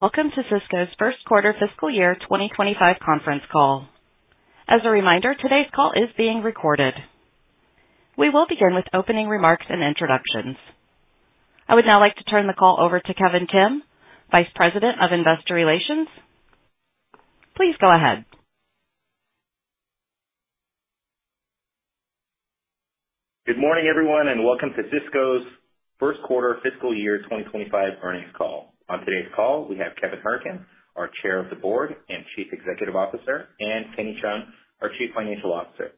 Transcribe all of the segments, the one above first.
Welcome to Sysco's first quarter fiscal year 2025 conference call. As a reminder, today's call is being recorded. We will begin with opening remarks and introductions. I would now like to turn the call over to Kevin Kim, Vice President of Investor Relations. Please go ahead. Good morning, everyone, and welcome to Sysco's first quarter fiscal year 2025 earnings call. On today's call, we have Kevin Hourican, our Chair of the Board and Chief Executive Officer, and Kenny Cheung, our Chief Financial Officer.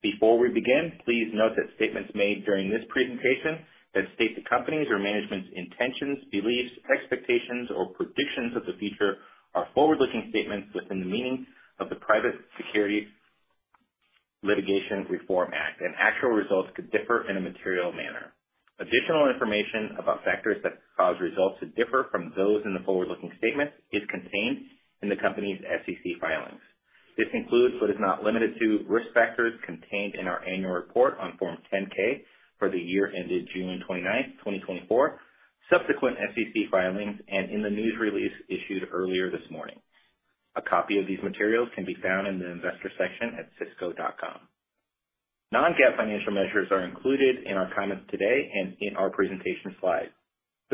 Before we begin, please note that statements made during this presentation that state the company's or management's intentions, beliefs, expectations, or predictions of the future are forward-looking statements within the meaning of the Private Securities Litigation Reform Act, and actual results could differ in a material manner. Additional information about factors that cause results to differ from those in the forward-looking statements is contained in the company's SEC filings. This includes, but is not limited to, risk factors contained in our annual report on Form 10-K for the year ended June 29, 2024, subsequent SEC filings, and in the news release issued earlier this morning. A copy of these materials can be found in the investor section at Sysco.com. Non-GAAP financial measures are included in our comments today and in our presentation slides.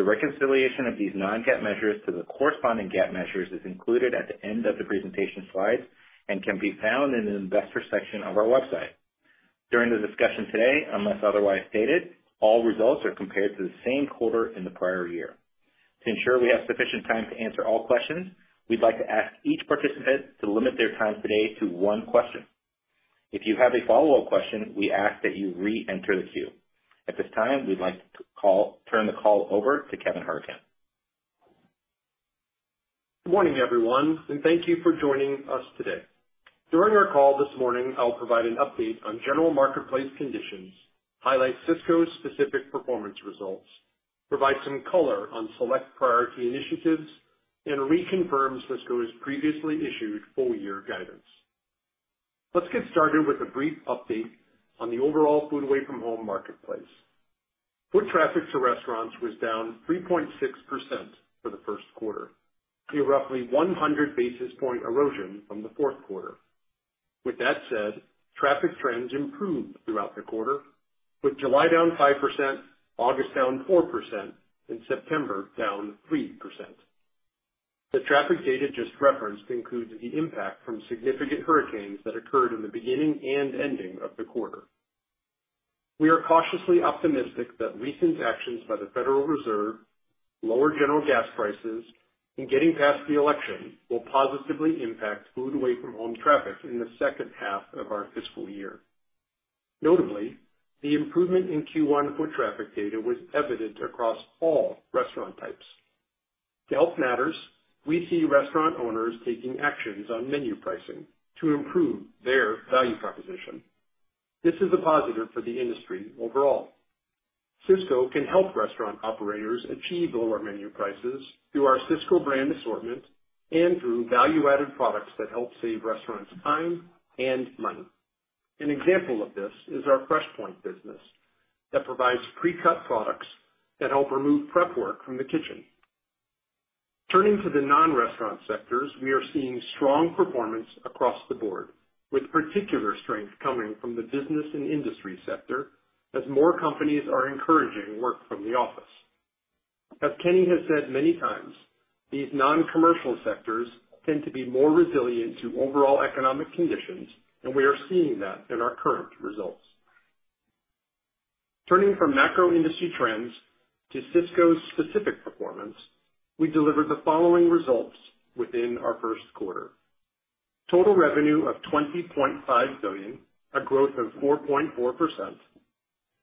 The reconciliation of these non-GAAP measures to the corresponding GAAP measures is included at the end of the presentation slides and can be found in the investor section of our website. During the discussion today, unless otherwise stated, all results are compared to the same quarter in the prior year. To ensure we have sufficient time to answer all questions, we'd like to ask each participant to limit their time today to one question. If you have a follow-up question, we ask that you re-enter the queue. At this time, we'd like to turn the call over to Kevin Hourican. Good morning, everyone, and thank you for joining us today. During our call this morning, I'll provide an update on general marketplace conditions, highlight Sysco's specific performance results, provide some color on select priority initiatives, and reconfirm Sysco's previously issued full-year guidance. Let's get started with a brief update on the overall food away-from-home marketplace. Foot traffic to restaurants was down 3.6% for the first quarter, a roughly 100 basis point erosion from the fourth quarter. With that said, traffic trends improved throughout the quarter, with July down 5%, August down 4%, and September down 3%. The traffic data just referenced includes the impact from significant hurricanes that occurred in the beginning and ending of the quarter. We are cautiously optimistic that recent actions by the Federal Reserve, lower general gas prices, and getting past the election will positively impact food away-from-home traffic in the second half of our fiscal year. Notably, the improvement in Q1 foot traffic data was evident across all restaurant types. To help matters, we see restaurant owners taking actions on menu pricing to improve their value proposition. This is a positive for the industry overall. Sysco can help restaurant operators achieve lower menu prices through our Sysco Brand assortment and through value-added products that help save restaurants time and money. An example of this is our FreshPoint business that provides pre-cut products that help remove prep work from the kitchen. Turning to the non-restaurant sectors, we are seeing strong performance across the board, with particular strength coming from the business and industry sector as more companies are encouraging work from the office. As Kenny has said many times, these non-commercial sectors tend to be more resilient to overall economic conditions, and we are seeing that in our current results. Turning from macro-industry trends to Sysco's specific performance, we delivered the following results within our first quarter: total revenue of $20.5 billion, a growth of 4.4%.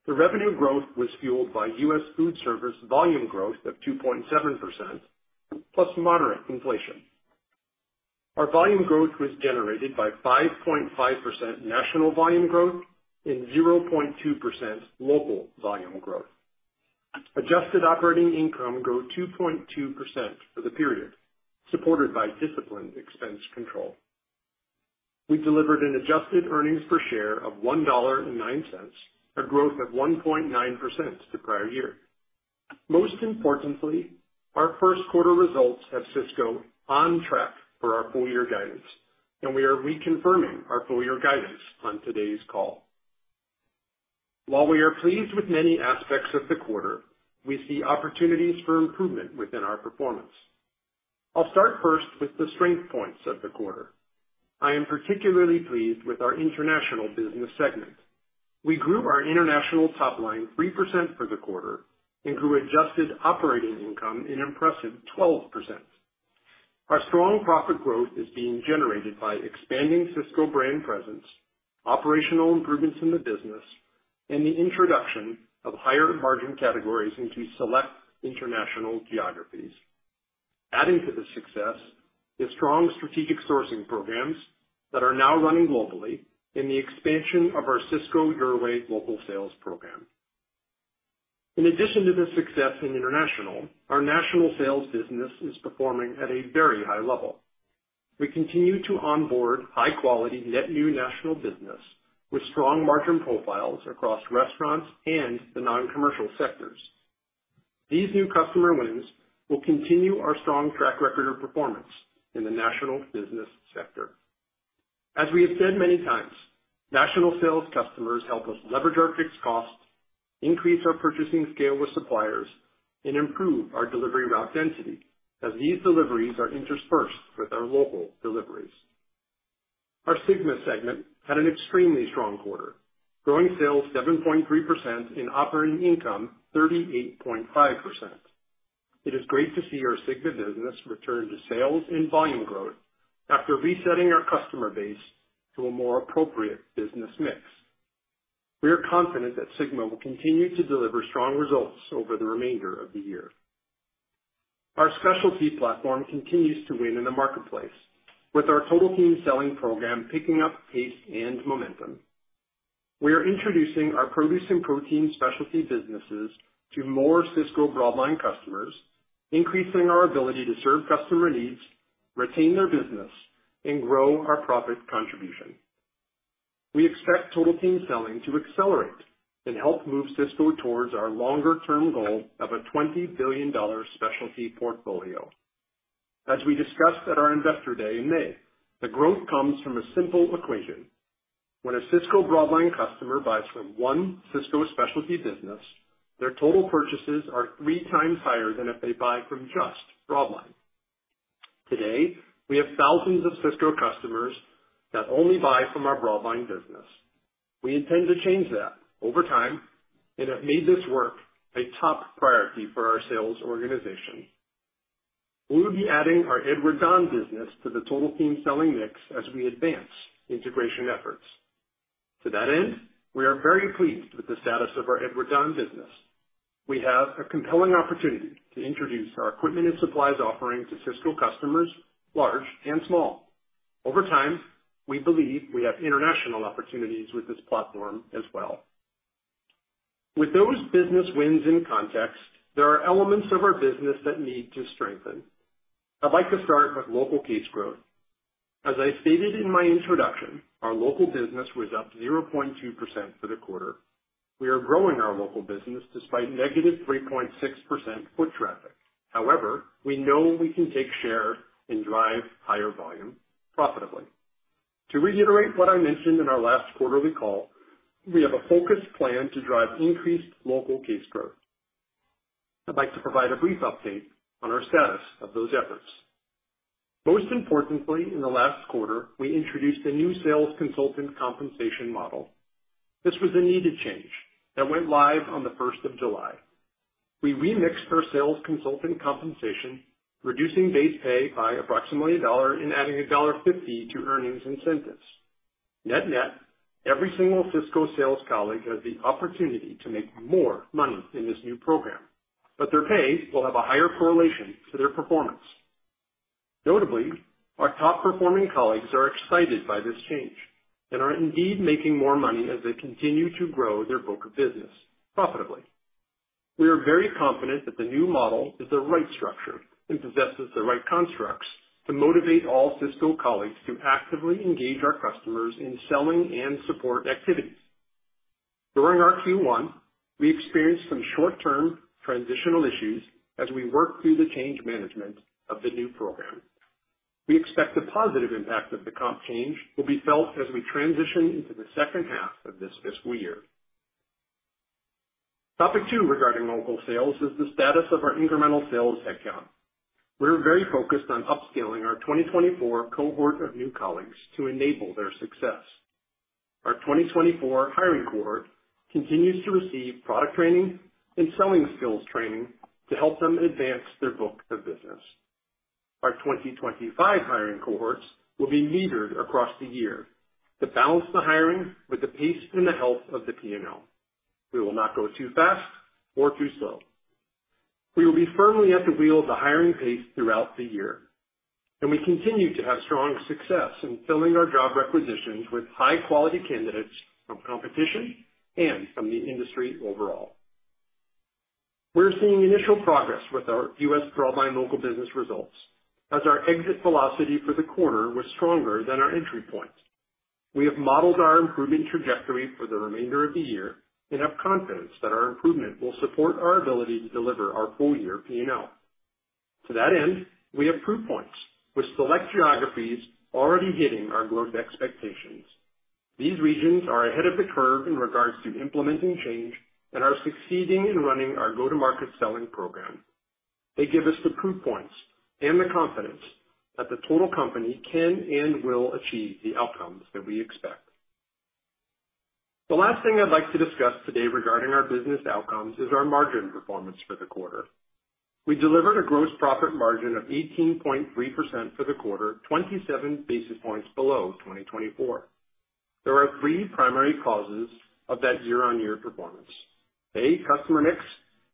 The revenue growth was fueled by U.S. Foodservice volume growth of 2.7%, plus moderate inflation. Our volume growth was generated by 5.5% national volume growth and 0.2% local volume growth. Adjusted operating income grew 2.2% for the period, supported by disciplined expense control. We delivered an adjusted earnings per share of $1.09, a growth of 1.9% to prior year. Most importantly, our first quarter results have Sysco on track for our full-year guidance, and we are reconfirming our full-year guidance on today's call. While we are pleased with many aspects of the quarter, we see opportunities for improvement within our performance. I'll start first with the strength points of the quarter. I am particularly pleased with our international business segment. We grew our international top line 3% for the quarter and grew adjusted operating income an impressive 12%. Our strong profit growth is being generated by expanding Sysco Brand presence, operational improvements in the business, and the introduction of higher margin categories into select international geographies. Adding to the success is strong strategic sourcing programs that are now running globally and the expansion of our Sysco Your Way Global Sales Program. In addition to the success in international, our national sales business is performing at a very high level. We continue to onboard high-quality net new national business with strong margin profiles across restaurants and the non-commercial sectors. These new customer wins will continue our strong track record of performance in the national business sector. As we have said many times, national sales customers help us leverage our fixed costs, increase our purchasing scale with suppliers, and improve our delivery route density as these deliveries are interspersed with our local deliveries. Our SYGMA segment had an extremely strong quarter, growing sales 7.3% and operating income 38.5%. It is great to see our SYGMA business return to sales and volume growth after resetting our customer base to a more appropriate business mix. We are confident that SYGMA will continue to deliver strong results over the remainder of the year. Our specialty platform continues to win in the marketplace, with our Total Team Selling program picking up pace and momentum. We are introducing our produce and protein specialty businesses to more Sysco broadline customers, increasing our ability to serve customer needs, retain their business, and grow our profit contribution. We expect Total Team Selling to accelerate and help move Sysco towards our longer-term goal of a $20 billion specialty portfolio. As we discussed at our investor day in May, the growth comes from a simple equation. When a Sysco broadline customer buys from one Sysco specialty business, their total purchases are three times higher than if they buy from just broadline. Today, we have thousands of Sysco customers that only buy from our broadline business. We intend to change that over time and have made this work a top priority for our sales organization. We will be adding our Edward Don business to the Total Team Selling mix as we advance integration efforts. To that end, we are very pleased with the status of our Edward Don business. We have a compelling opportunity to introduce our equipment and supplies offering to Sysco customers, large and small. Over time, we believe we have international opportunities with this platform as well. With those business wins in context, there are elements of our business that need to strengthen. I'd like to start with local case growth. As I stated in my introduction, our local business was up 0.2% for the quarter. We are growing our local business despite negative 3.6% foot traffic. However, we know we can take share and drive higher volume profitably. To reiterate what I mentioned in our last quarterly call, we have a focused plan to drive increased local case growth. I'd like to provide a brief update on our status of those efforts. Most importantly, in the last quarter, we introduced a new sales consultant compensation model. This was a needed change that went live on the 1st of July. We remixed our sales consultant compensation, reducing base pay by approximately $1.00 and adding $1.50 to earnings incentives. Net net, every single Sysco sales colleague has the opportunity to make more money in this new program, but their pay will have a higher correlation to their performance. Notably, our top performing colleagues are excited by this change and are indeed making more money as they continue to grow their book of business profitably. We are very confident that the new model is the right structure and possesses the right constructs to motivate all Sysco colleagues to actively engage our customers in selling and support activities. During our Q1, we experienced some short-term transitional issues as we worked through the change management of the new program. We expect the positive impact of the comp change will be felt as we transition into the second half of this fiscal year. Topic two regarding local sales is the status of our incremental sales headcount. We're very focused on upskilling our 2024 cohort of new colleagues to enable their success. Our 2024 hiring cohort continues to receive product training and selling skills training to help them advance their book of business. Our 2025 hiring cohorts will be metered across the year to balance the hiring with the pace and the health of the P&L. We will not go too fast or too slow. We will be firmly at the wheel of the hiring pace throughout the year, and we continue to have strong success in filling our job requisitions with high-quality candidates from competition and from the industry overall. We're seeing initial progress with our U.S. broadline local business results as our exit velocity for the quarter was stronger than our entry point. We have modeled our improvement trajectory for the remainder of the year and have confidence that our improvement will support our ability to deliver our full-year P&L. To that end, we have proof points with select geographies already hitting our growth expectations. These regions are ahead of the curve in regards to implementing change and are succeeding in running our go-to-market selling program. They give us the proof points and the confidence that the total company can and will achieve the outcomes that we expect. The last thing I'd like to discuss today regarding our business outcomes is our margin performance for the quarter. We delivered a gross profit margin of 18.3% for the quarter, 27 basis points below 2024. There are three primary causes of that year-on-year performance: A, customer mix,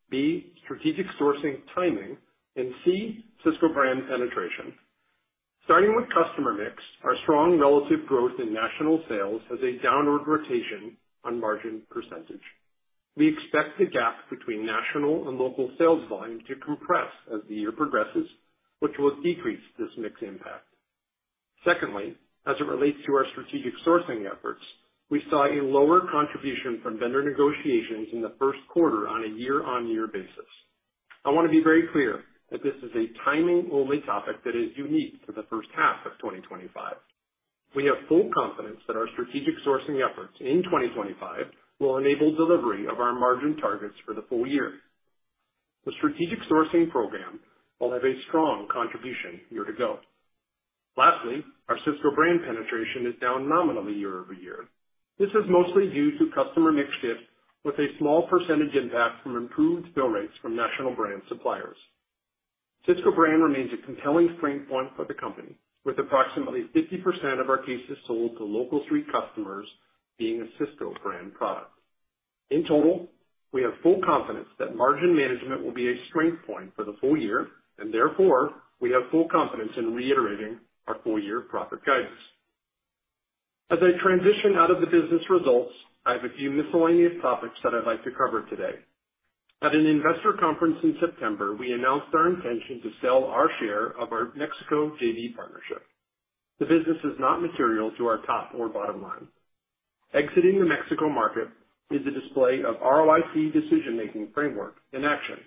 B, strategic sourcing timing, and C, Sysco Brand penetration. Starting with customer mix, our strong relative growth in national sales has a downward rotation on margin percentage. We expect the gap between national and local sales volume to compress as the year progresses, which will decrease this mixed impact. Secondly, as it relates to our strategic sourcing efforts, we saw a lower contribution from vendor negotiations in the first quarter on a year-on-year basis. I want to be very clear that this is a timing-only topic that is unique to the first half of 2025. We have full confidence that our strategic sourcing efforts in 2025 will enable delivery of our margin targets for the full year. The strategic sourcing program will have a strong contribution year to go. Lastly, our Sysco Brand penetration is down nominally year over year. This is mostly due to customer mix shift with a small percentage impact from improved fill rates from national brand suppliers. Sysco Brand remains a compelling strength point for the company, with approximately 50% of our cases sold to local street customers being a Sysco Brand product. In total, we have full confidence that margin management will be a strength point for the full year, and therefore, we have full confidence in reiterating our full-year profit guidance. As I transition out of the business results, I have a few miscellaneous topics that I'd like to cover today. At an investor conference in September, we announced our intention to sell our share of our Mexico J.V. partnership. The business is not material to our top or bottom line. Exiting the Mexico market is a display of ROIC decision-making framework in action.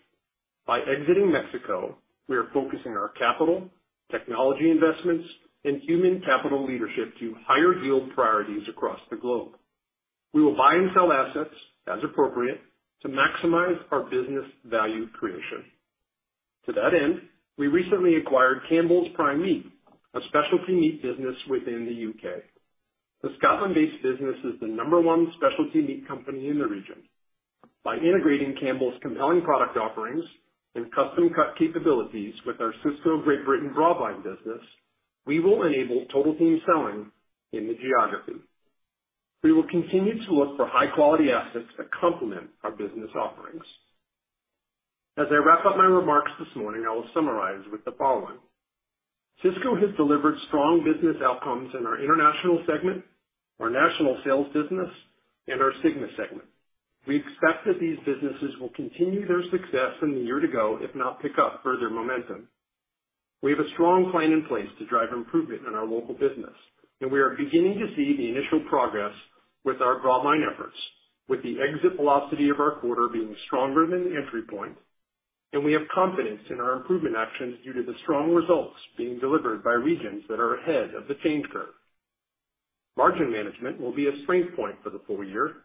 By exiting Mexico, we are focusing our capital, technology investments, and human capital leadership to higher yield priorities across the globe. We will buy and sell assets as appropriate to maximize our business value creation. To that end, we recently acquired Campbell's Prime Meat, a specialty meat business within the U.K. The Scotland-based business is the number one specialty meat company in the region. By integrating Campbell's compelling product offerings and custom-cut capabilities with our Sysco Great Britain broadline business, we will enable Total Team Selling in the geography. We will continue to look for high-quality assets that complement our business offerings. As I wrap up my remarks this morning, I will summarize with the following: Sysco has delivered strong business outcomes in our international segment, our national sales business, and our SYGMA segment. We expect that these businesses will continue their success in the year to go, if not pick up further momentum. We have a strong plan in place to drive improvement in our local business, and we are beginning to see the initial progress with our broadline efforts, with the exit velocity of our quarter being stronger than the entry point, and we have confidence in our improvement actions due to the strong results being delivered by regions that are ahead of the change curve. Margin management will be a strength point for the full year.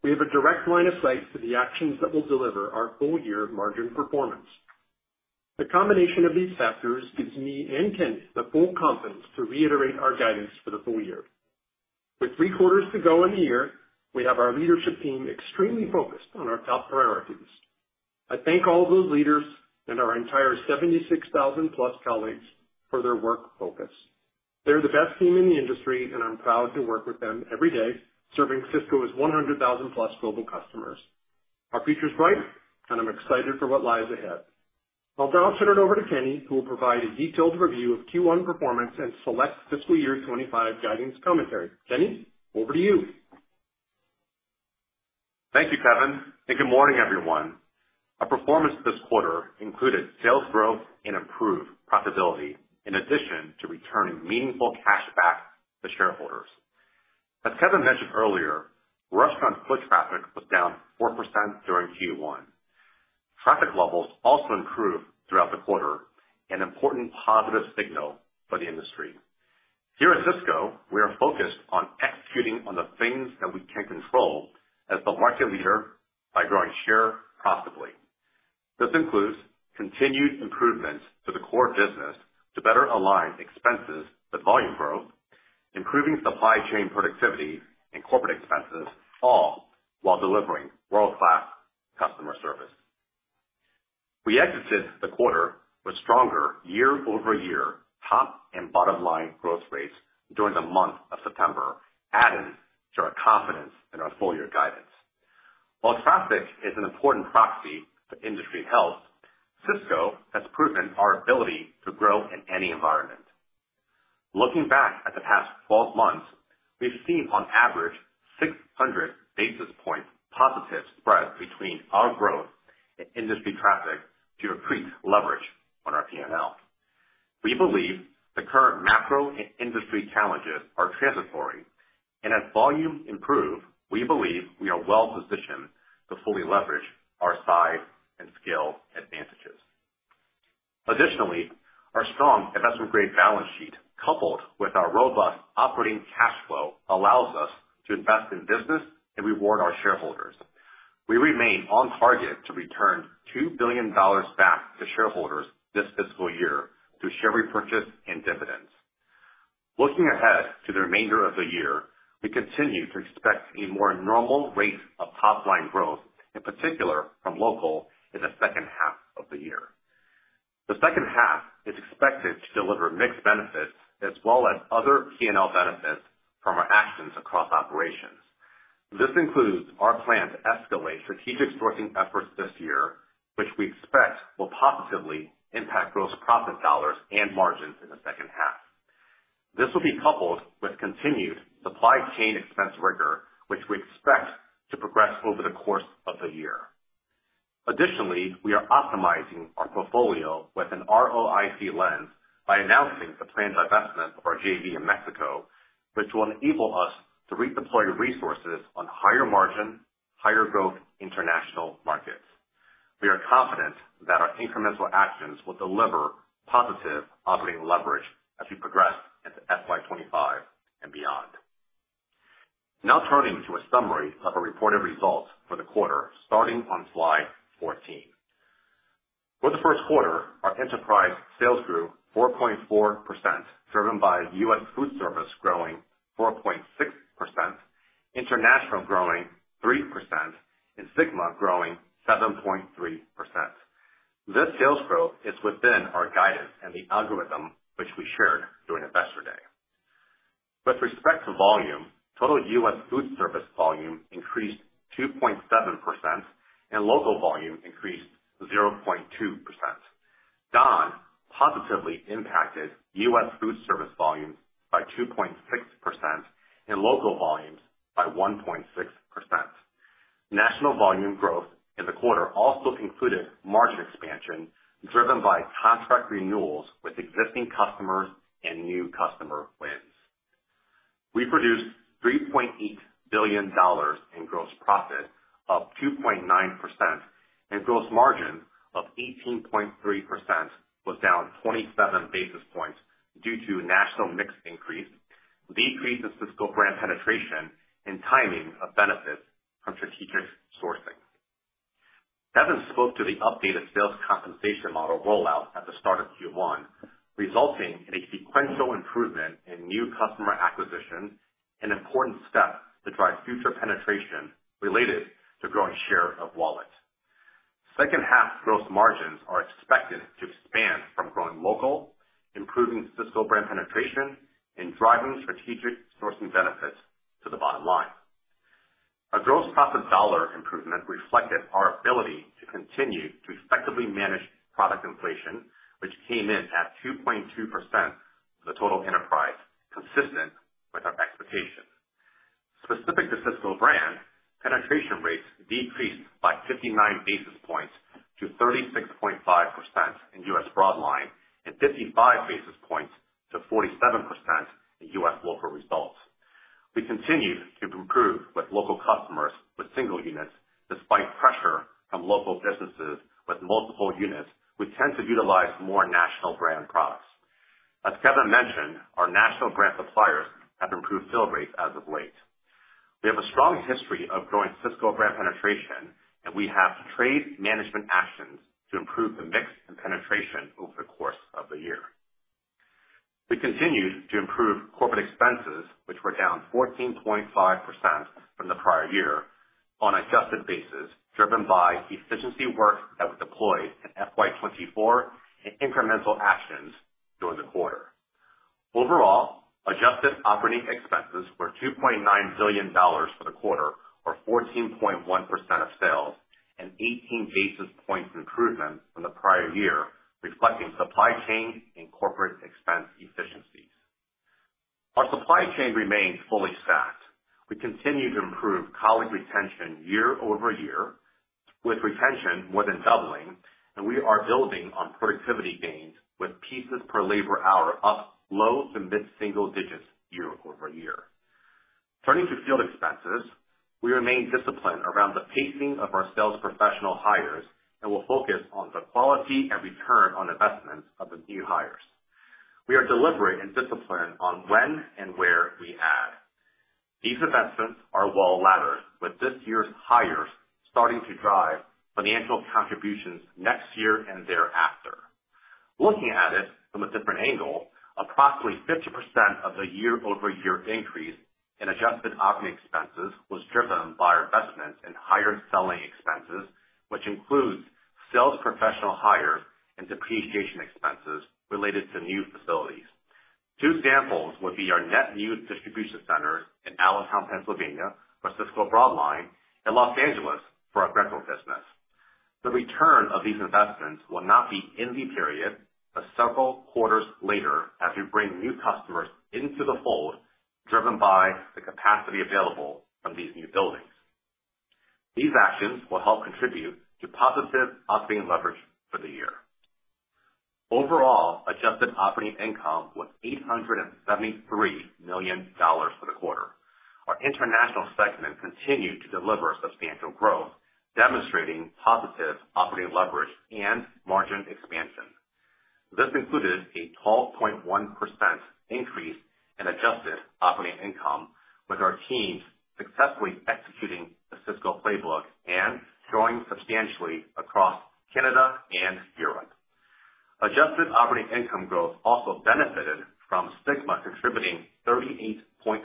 We have a direct line of sight to the actions that will deliver our full-year margin performance. The combination of these factors gives me and Kenny the full confidence to reiterate our guidance for the full year. With three quarters to go in the year, we have our leadership team extremely focused on our top priorities. I thank all those leaders and our entire 76,000-plus colleagues for their work focus. They're the best team in the industry, and I'm proud to work with them every day, serving Sysco's 100,000-plus global customers. Our future's bright, and I'm excited for what lies ahead. I'll now turn it over to Kenny, who will provide a detailed review of Q1 performance and select fiscal year 2025 guidance commentary. Kenny, over to you. Thank you, Kevin, and good morning, everyone. Our performance this quarter included sales growth and improved profitability in addition to returning meaningful cash back to shareholders. As Kevin mentioned earlier, restaurant foot traffic was down 4% during Q1. Traffic levels also improved throughout the quarter, an important positive signal for the industry. Here at Sysco, we are focused on executing on the things that we can control as the market leader by growing share profitably. This includes continued improvements to the core business to better align expenses with volume growth, improving supply chain productivity and corporate expenses, all while delivering world-class customer service. We exited the quarter with stronger year-over-year top and bottom line growth rates during the month of September, adding to our confidence in our full-year guidance. While traffic is an important proxy for industry health, Sysco has proven our ability to grow in any environment. Looking back at the past 12 months, we've seen on average 600 basis points positive spread between our growth and industry traffic to increase leverage on our P&L. We believe the current macro and industry challenges are transitory, and as volumes improve, we believe we are well-positioned to fully leverage our size and scale advantages. Additionally, our strong investment-grade balance sheet, coupled with our robust operating cash flow, allows us to invest in business and reward our shareholders. We remain on target to return $2 billion back to shareholders this fiscal year through share repurchase and dividends. Looking ahead to the remainder of the year, we continue to expect a more normal rate of top-line growth, in particular from local, in the second half of the year. The second half is expected to deliver mixed benefits as well as other P&L benefits from our actions across operations. This includes our plan to escalate strategic sourcing efforts this year, which we expect will positively impact gross profit dollars and margins in the second half. This will be coupled with continued supply chain expense rigor, which we expect to progress over the course of the year. Additionally, we are optimizing our portfolio with an ROIC lens by announcing the planned divestiture of our J.V. in Mexico, which will enable us to redeploy resources on higher margin, higher growth international markets. We are confident that our incremental actions will deliver positive operating leverage as we progress into FY25 and beyond. Now turning to a summary of our reported results for the quarter, starting on slide 14. For the first quarter, our enterprise sales grew 4.4%, driven by U.S. Foodservice growing 4.6%, international growing 3%, and SYGMA growing 7.3%. This sales growth is within our guidance and the algorithm which we shared during investor day. With respect to volume, total U.S. Foodservice volume increased 2.7%, and local volume increased 0.2%. Don positively impacted U.S. Foodservice volumes by 2.6% and local volumes by 1.6%. National volume growth in the quarter also included margin expansion driven by contract renewals with existing customers and new customer wins. We produced $3.8 billion in gross profit of 2.9%, and gross margin of 18.3% was down 27 basis points due to national mix increase, decrease in Sysco Brand penetration, and timing of benefits from strategic sourcing. Kevin spoke to the updated sales compensation model rollout at the start of Q1, resulting in a sequential improvement in new customer acquisition, an important step to drive future penetration related to growing share of wallet. Second-half gross margins are expected to expand from growing local, improving Sysco Brand penetration, and driving strategic sourcing benefits to the bottom line. Our gross profit dollar improvement reflected our ability to continue to effectively manage product inflation, which came in at 2.2% of the total enterprise, consistent with our expectations. Specific to Sysco Brand, penetration rates decreased by 59 basis points to 36.5% in U.S. broadline and 55 basis points to 47% in U.S. local results. We continued to improve with local customers with single units. Despite pressure from local businesses with multiple units, we tend to utilize more national brand products. As Kevin mentioned, our national brand suppliers have improved fill rates as of late. We have a strong history of growing Sysco Brand penetration, and we have trade management actions to improve the mix and penetration over the course of the year. We continued to improve corporate expenses, which were down 14.5% from the prior year, on an adjusted basis, driven by efficiency work that was deployed in FY24 and incremental actions during the quarter. Overall, adjusted operating expenses were $2.9 billion for the quarter, or 14.1% of sales, and 18 basis points improvement from the prior year, reflecting supply chain and corporate expense efficiencies. Our supply chain remains fully stacked. We continue to improve colleague retention year over year, with retention more than doubling, and we are building on productivity gains with pieces per labor hour up low to mid-single digits year over year. Turning to field expenses, we remain disciplined around the pacing of our sales professional hires and will focus on the quality and return on investments of the new hires. We are deliberate and disciplined on when and where we add. These investments are well laddered, with this year's hires starting to drive financial contributions next year and thereafter. Looking at it from a different angle, approximately 50% of the year-over-year increase in adjusted operating expenses was driven by our investments in higher selling expenses, which includes sales professional hires and depreciation expenses related to new facilities. Two examples would be our net new distribution centers in Allentown, Pennsylvania, for Sysco broadline, and Los Angeles for our Brentwood business. The return of these investments will not be in the period, but several quarters later as we bring new customers into the fold, driven by the capacity available from these new buildings. These actions will help contribute to positive operating leverage for the year. Overall, adjusted operating income was $873 million for the quarter. Our international segment continued to deliver substantial growth, demonstrating positive operating leverage and margin expansion. This included a 12.1% increase in adjusted operating income, with our teams successfully executing the Sysco playbook and growing substantially across Canada and Europe. Adjusted operating income growth also benefited from SYGMA contributing 38.5%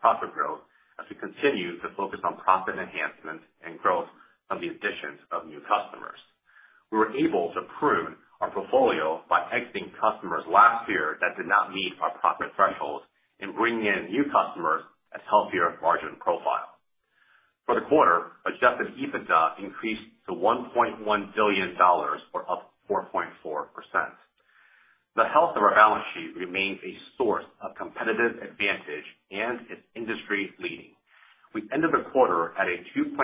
profit growth as we continue to focus on profit enhancement and growth from the additions of new customers. We were able to prune our portfolio by exiting customers last year that did not meet our profit thresholds and bringing in new customers at healthier margin profile. For the quarter, adjusted EBITDA increased to $1.1 billion, or up 4.4%. The health of our balance sheet remains a source of competitive advantage and is industry-leading. We ended the quarter at a 2.7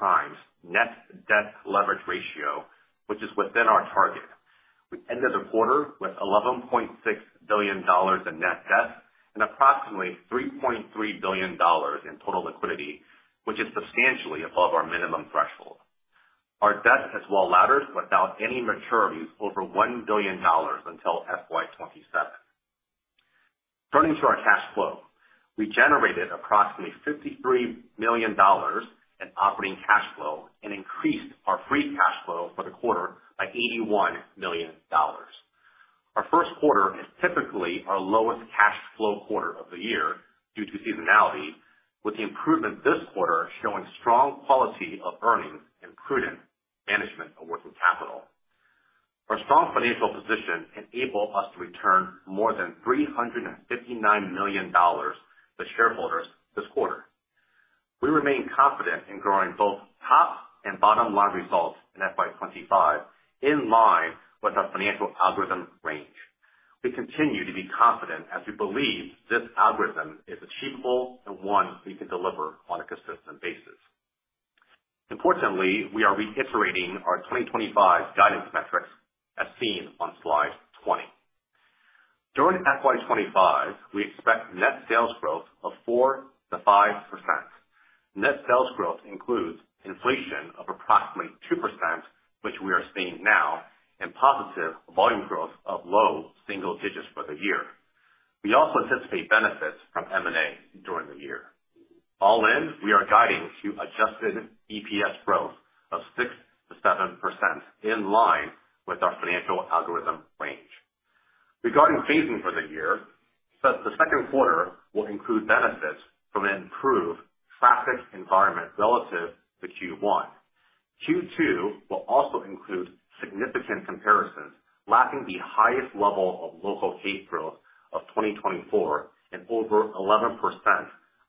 times net debt leverage ratio, which is within our target. We ended the quarter with $11.6 billion in net debt and approximately $3.3 billion in total liquidity, which is substantially above our minimum threshold. Our debt is well-laddered without any maturities over $1 billion until FY27. Turning to our cash flow, we generated approximately $53 million in operating cash flow and increased our free cash flow for the quarter by $81 million. Our first quarter is typically our lowest cash flow quarter of the year due to seasonality, with the improvement this quarter showing strong quality of earnings and prudent management of working capital. Our strong financial position enabled us to return more than $359 million to shareholders this quarter. We remain confident in growing both top and bottom line results in FY25 in line with our financial algorithm range. We continue to be confident as we believe this algorithm is achievable and one we can deliver on a consistent basis. Importantly, we are reiterating our 2025 guidance metrics as seen on slide 20. During FY25, we expect net sales growth of 4% to 5%. Net sales growth includes inflation of approximately 2%, which we are seeing now, and positive volume growth of low single digits for the year. We also anticipate benefits from M&A during the year. All in, we are guiding to adjusted EPS growth of 6% to 7% in line with our financial algorithm range. Regarding phasing for the year, the second quarter will include benefits from an improved traffic environment relative to Q1. Q2 will also include significant comparisons lacking the highest level of local case growth of 2024 and over 11%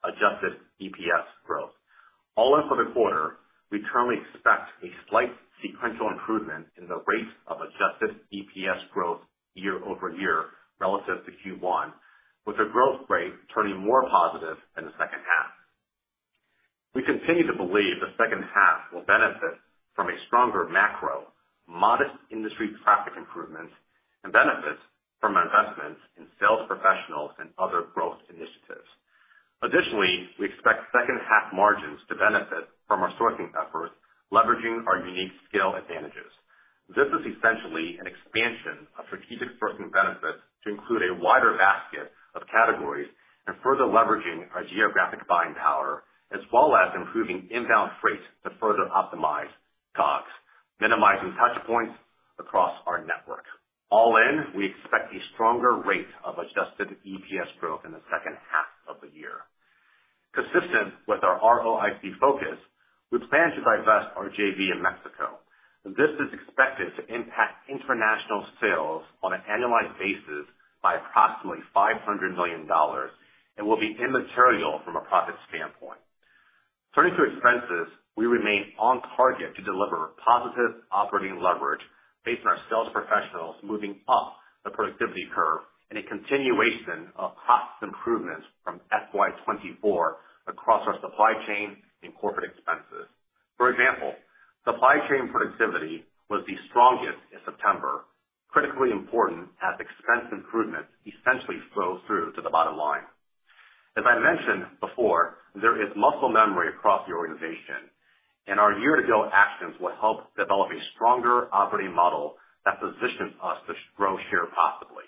adjusted EPS growth. All in for the quarter, we currently expect a slight sequential improvement in the rate of adjusted EPS growth year over year relative to Q1, with the growth rate turning more positive in the second half. We continue to believe the second half will benefit from a stronger macro, modest industry traffic improvements, and benefits from investments in sales professionals and other growth initiatives. Additionally, we expect second-half margins to benefit from our sourcing efforts, leveraging our unique scale advantages. This is essentially an expansion of strategic sourcing benefits to include a wider basket of categories and further leveraging our geographic buying power, as well as improving inbound freight to further optimize COGS, minimizing touchpoints across our network. All in, we expect a stronger rate of adjusted EPS growth in the second half of the year. Consistent with our ROIC focus, we plan to divest our J.V. in Mexico. This is expected to impact international sales on an annualized basis by approximately $500 million and will be immaterial from a profit standpoint. Turning to expenses, we remain on target to deliver positive operating leverage based on our sales professionals moving up the productivity curve and a continuation of cost improvements from FY24 across our supply chain and corporate expenses. For example, supply chain productivity was the strongest in September, critically important as expense improvements essentially flow through to the bottom line. As I mentioned before, there is muscle memory across the organization, and our year-to-date actions will help develop a stronger operating model that positions us to grow share positively.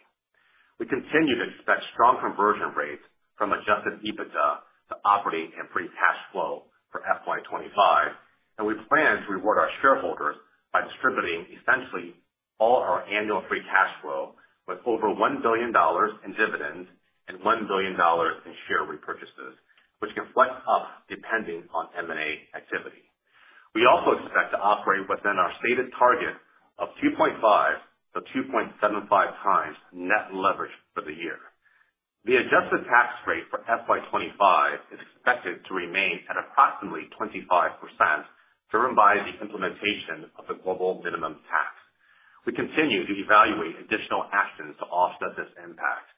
We continue to expect strong conversion rates from adjusted EBITDA to operating and free cash flow for FY25, and we plan to reward our shareholders by distributing essentially all our annual free cash flow with over $1 billion in dividends and $1 billion in share repurchases, which can flex up depending on M&A activity. We also expect to operate within our stated target of 2.5-2.75 times net leverage for the year. The adjusted tax rate for FY25 is expected to remain at approximately 25%, driven by the implementation of the global minimum tax. We continue to evaluate additional actions to offset this impact.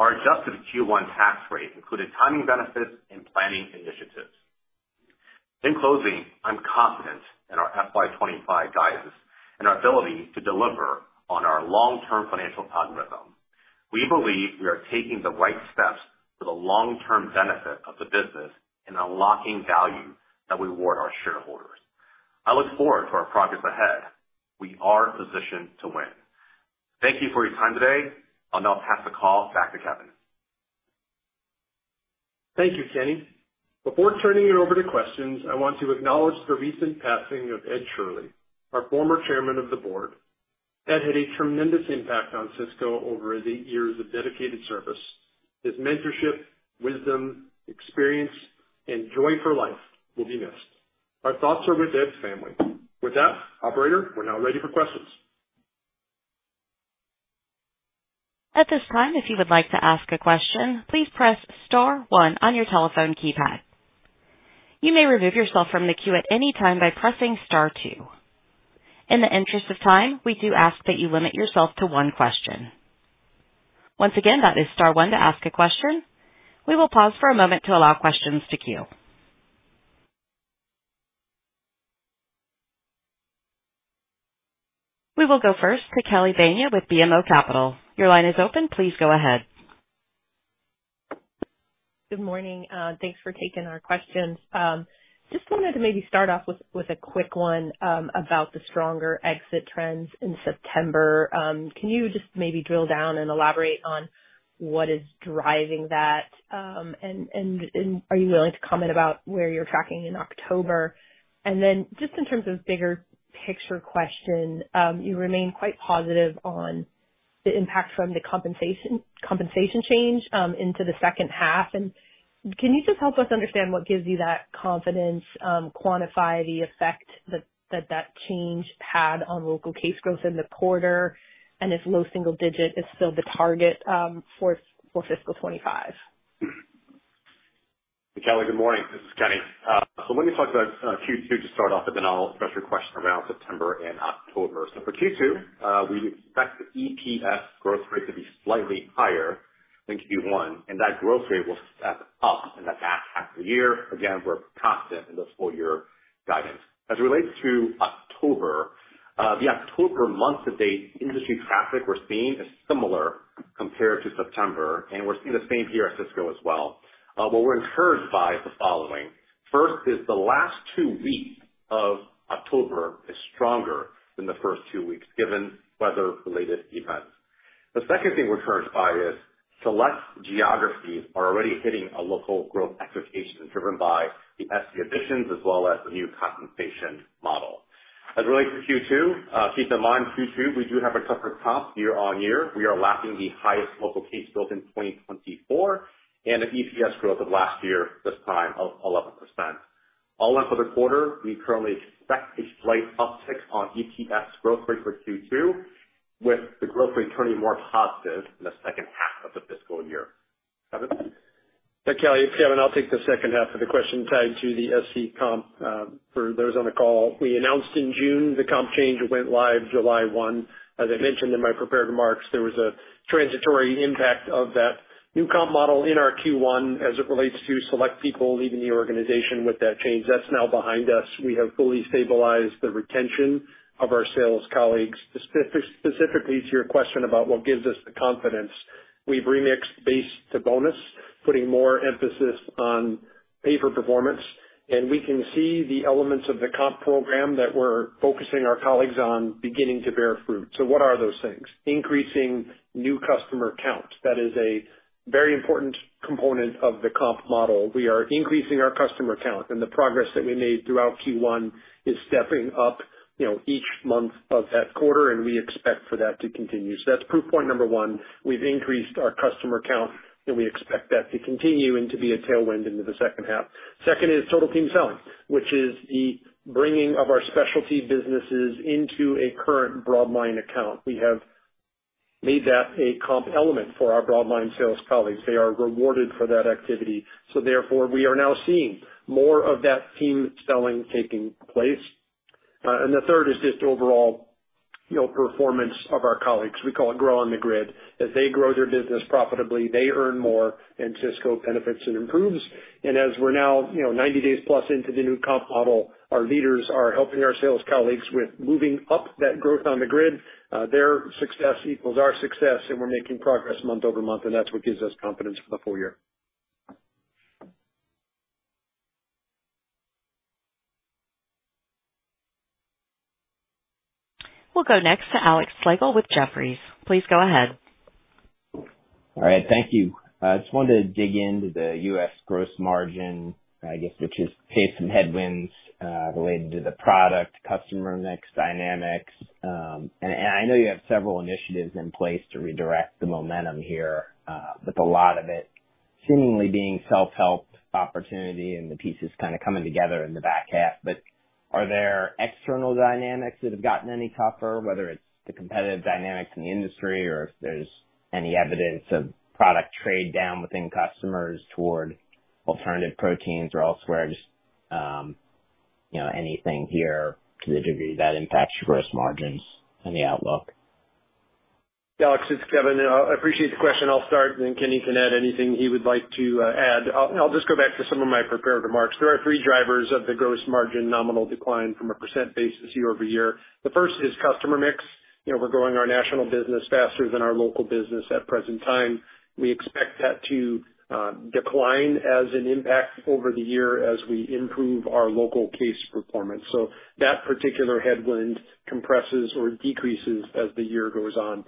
Our adjusted Q1 tax rate included timing benefits and planning initiatives. In closing, I'm confident in our FY25 guidance and our ability to deliver on our long-term financial algorithm. We believe we are taking the right steps for the long-term benefit of the business and unlocking value that we award our shareholders. I look forward to our progress ahead. We are positioned to win. Thank you for your time today. I'll now pass the call back to Kevin. Thank you, Kenny. Before turning it over to questions, I want to acknowledge the recent passing of Ed Shirley, our former chairman of the board. Ed had a tremendous impact on Sysco over the years of dedicated service. His mentorship, wisdom, experience, and joy for life will be missed. Our thoughts are with Ed's family. With that, operator, we're now ready for questions. At this time, if you would like to ask a question, please press Star 1 on your telephone keypad. You may remove yourself from the queue at any time by pressing Star 2. In the interest of time, we do ask that you limit yourself to one question. Once again, that is Star 1 to ask a question. We will pause for a moment to allow questions to queue. We will go first to Kelly Bania with BMO Capital. Your line is open. Please go ahead. Good morning. Thanks for taking our questions. Just wanted to maybe start off with a quick one about the stronger exit trends in September. Can you just maybe drill down and elaborate on what is driving that? And are you willing to comment about where you're tracking in October? And then just in terms of bigger picture question, you remain quite positive on the impact from the compensation change into the second half. And can you just help us understand what gives you that confidence, quantify the effect that that change had on local case growth in the quarter, and if low single digit is still the target for Fiscal 2025? Kelly, good morning. This is Kevin. Let me talk about Q2 to start off, and then I'll address your question around September and October. So for Q2, we expect the EPS growth rate to be slightly higher than Q1, and that growth rate will step up in the back half of the year. Again, we're confident in the full-year guidance. As it relates to October, the October month-to-date industry traffic we're seeing is similar compared to September, and we're seeing the same here at Sysco as well. What we're encouraged by is the following. First is the last two weeks of October is stronger than the first two weeks, given weather-related events. The second thing we're encouraged by is select geographies are already hitting a local growth expectation driven by the SC additions as well as the new compensation model. As it relates to Q2, keep in mind Q2, we do have a tougher comp year-on-year. We are achieving the highest local case growth in 2024 and an EPS growth of last year this time of 11%. All in for the quarter, we currently expect a slight uptick on EPS growth rate for Q2, with the growth rate turning more positive in the second half of the fiscal year. Kevin? Kelly, Kevin, I'll take the second half of the question tied to the SC comp for those on the call. We announced in June the comp change went live July 1. As I mentioned in my prepared remarks, there was a transitory impact of that new comp model in our Q1 as it relates to select people leaving the organization with that change. That's now behind us. We have fully stabilized the retention of our sales colleagues. Specifically to your question about what gives us the confidence, we've remixed base to bonus, putting more emphasis on pay-for-performance, and we can see the elements of the comp program that we're focusing our colleagues on beginning to bear fruit. So what are those things? Increasing new customer count. That is a very important component of the comp model. We are increasing our customer count, and the progress that we made throughout Q1 is stepping up each month of that quarter, and we expect for that to continue. So that's proof point number one. We've increased our customer count, and we expect that to continue and to be a tailwind into the second half. Second is Total Team Selling, which is the bringing of our specialty businesses into a current broadline account. We have made that a comp element for our broadline sales colleagues. They are rewarded for that activity. So therefore, we are now seeing more of that team selling taking place. And the third is just overall performance of our colleagues. We call it grow on the grid. As they grow their business profitably, they earn more, and Sysco benefits and improves. And as we're now 90 days plus into the new comp model, our leaders are helping our sales colleagues with moving up that growth on the grid. Their success equals our success, and we're making progress month over month, and that's what gives us confidence for the full year. We'll go next to Alex Slagle with Jefferies. Please go ahead. All right. Thank you. I just wanted to dig into the U.S. gross margin, I guess, which has faced some headwinds related to the product, customer mix dynamics. I know you have several initiatives in place to redirect the momentum here, with a lot of it seemingly being self-help opportunity and the pieces kind of coming together in the back half. Are there external dynamics that have gotten any tougher, whether it's the competitive dynamics in the industry or if there's any evidence of product trade down within customers toward alternative proteins or elsewhere? Just anything here to the degree that impacts your gross margins and the outlook? Alex, it's Kevin. I appreciate the question. I'll start, and then Kenny can add anything he would like to add. I'll just go back to some of my prepared remarks. There are three drivers of the gross margin nominal decline from a percent basis year over year. The first is customer mix. We're growing our national business faster than our local business at present time. We expect that to decline as an impact over the year as we improve our local case performance, so that particular headwind compresses or decreases as the year goes on.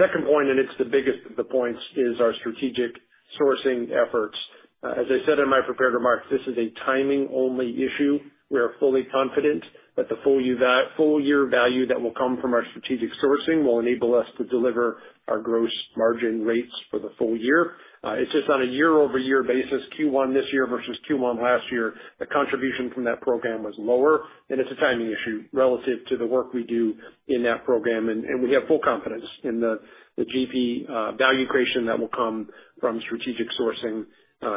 Second point, and it's the biggest of the points, is our strategic sourcing efforts. As I said in my prepared remarks, this is a timing-only issue. We are fully confident that the full-year value that will come from our strategic sourcing will enable us to deliver our gross margin rates for the full year. It's just on a year-over-year basis, Q1 this year versus Q1 last year, the contribution from that program was lower, and it's a timing issue relative to the work we do in that program, and we have full confidence in the GP value creation that will come from strategic sourcing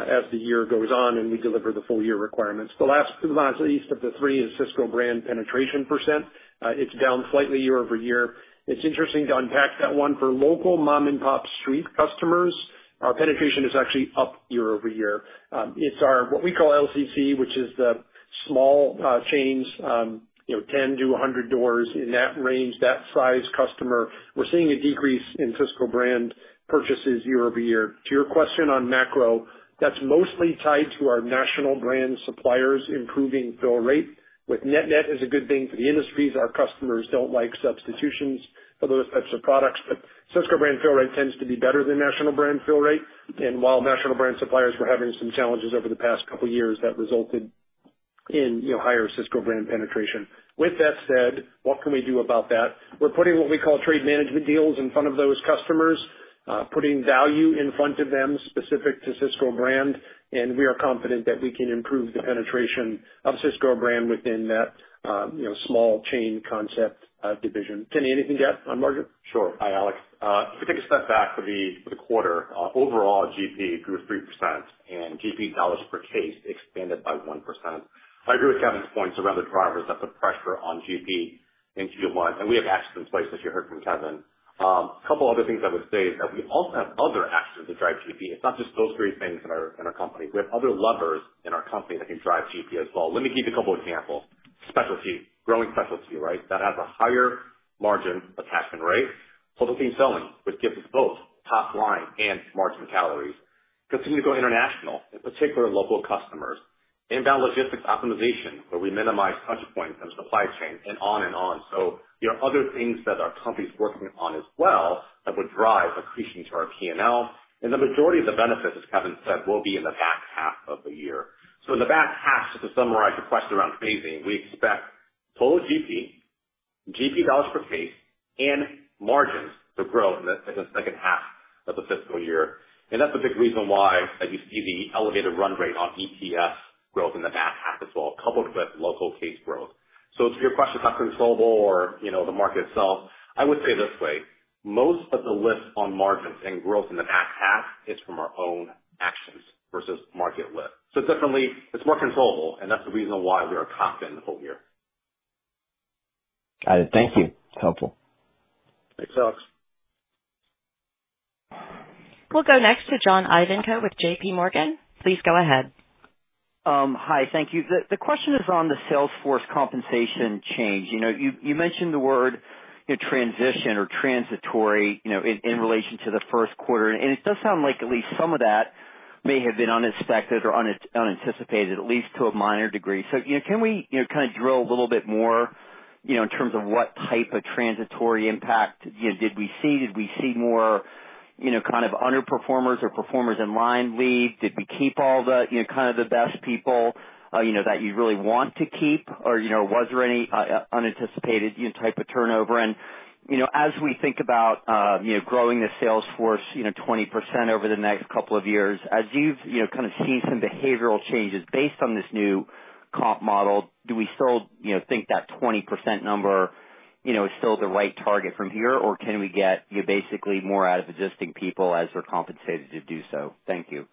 as the year goes on, and we deliver the full-year requirements. The last but not least of the three is Sysco Brand penetration percent. It's down slightly year over year. It's interesting to unpack that one. For local mom-and-pop street customers, our penetration is actually up year over year. It's our what we call LCC, which is the small chains, 10 to 100 doors in that range, that size customer. We're seeing a decrease in Sysco Brand purchases year over year. To your question on macro, that's mostly tied to our national brand suppliers improving fill rate. Net-net is a good thing for the industries. Our customers don't like substitutions for those types of products, but Sysco Brand fill rate tends to be better than national brand fill rate. And while national brand suppliers were having some challenges over the past couple of years, that resulted in higher Sysco Brand penetration. With that said, what can we do about that? We're putting what we call trade management deals in front of those customers, putting value in front of them specific to Sysco Brand, and we are confident that we can improve the penetration of Sysco Brand within that small chain concept division. Kenny, anything to add on margin? Sure. Hi, Alex. If we take a step back for the quarter, overall GP grew 3%, and GP dollars per case expanded by 1%. I agree with Kevin's points around the drivers that put pressure on GP in Q1, and we have actions in place as you heard from Kevin. A couple of other things I would say is that we also have other actions that drive GP. It's not just those three things in our company. We have other levers in our company that can drive GP as well. Let me give you a couple of examples. Specialty, growing specialty, right? That has a higher margin attachment rate. Total Team Selling, which gives us both top line and margin calories. Continue to go international, in particular local customers. Inbound logistics optimization, where we minimize touch points and supply chain, and on and on. So there are other things that our company is working on as well that would drive accretion to our P&L. And the majority of the benefits, as Kevin said, will be in the back half of the year. So in the back half, just to summarize the question around phasing, we expect total GP, GP dollars per case, and margins to grow in the second half of the fiscal year. And that's a big reason why you see the elevated run rate on EPS growth in the back half as well, coupled with Local Case Growth. So to your question about controllable or the market itself, I would say this way: most of the lift on margins and growth in the back half is from our own actions versus market lift. So definitely, it's more controllable and that's the reason why we are confident in the full year. Got it. Thank you. It's helpful. Thanks, Alex. We'll go next to John Ivanko with JPMorgan. Please go ahead. Hi, thank you. The question is on the sales force compensation change. You mentioned the word transition or transitory in relation to the first quarter, and it does sound like at least some of that may have been unexpected or unanticipated, at least to a minor degree. So can we kind of drill a little bit more in terms of what type of transitory impact did we see? Did we see more kind of underperformers or performers in line leave? Did we keep all the kind of the best people that you really want to keep? Or was there any unanticipated type of turnover? And as we think about growing the sales force 20% over the next couple of years, as you've kind of seen some behavioral changes based on this new comp model, do we still think that 20% number is still the right target from here, or can we get basically more out of existing people as they're compensated to do so? Thank you.